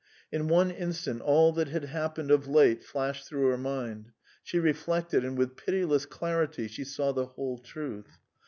In one instant all that had happened of late flashed through her mind; she reflected, and with pitiless clarity she saw the whole truth.